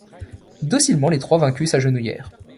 Docilement, les trois vaincus s’agenouillèrent.